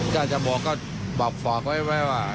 กล้าจะบอกก็บอกฝากไว้ว่า